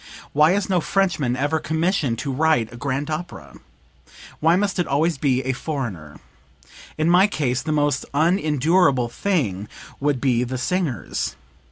Why is no Frenchman ever commissioned to write a grand opera? Why must it always be a foreigner? In my case the most unendurable thing would be the singers.